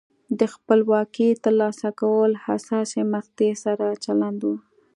د خپلواکۍ ترلاسه کول حساسې مقطعې سره چلند و.